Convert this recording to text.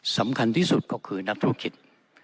สำคัญที่สุดก็คือนักธุรกิจ